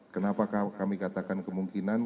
kenapa kami katakan kemungkinan